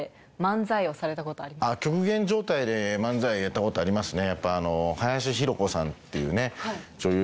極限状態で漫才やったことありますね。